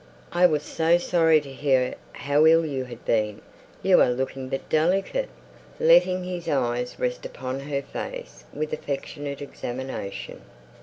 "I was so sorry to hear how ill you had been! You are looking but delicate!" letting his eyes rest upon her face with affectionate examination.